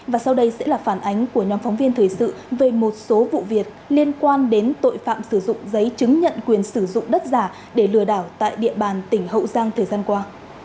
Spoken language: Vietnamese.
và sau đây sẽ là phản ánh của nhóm phóng viên thời sự về một số vụ việc liên quan đến tội phạm sử dụng giấy chứng nhận quyền sử dụng đất giả để lừa đảo tại địa bàn tỉnh hậu giang thời gian qua